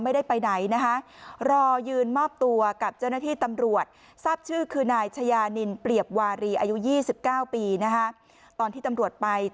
ไม่ได้ไปไหนนะคะรอยืนมอบตัวกับเจ้าหน้าที่ตำรวจ